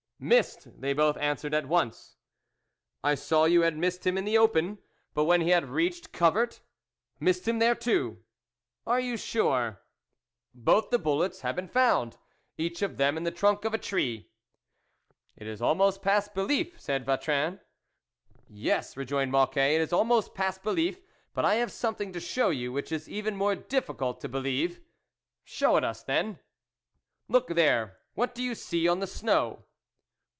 " Missed," they both answered at once. " I saw you had missed him in the open, but when he had reached covert ...?"" Missed him there too." " Are you sure ?"" Both the bullets have been found, each of them in the trunk of a tree." " It is almost past belief," said Vatrin. " Yes," rejoined Mocquet, " it is almost past belief, but I have something to show you which is even more difficult to be lieve." " Show it us, then." " Look there, what do you see on the snow